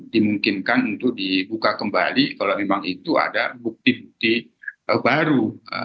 dimungkinkan untuk dibuka kembali kalau memang itu ada bukti bukti baru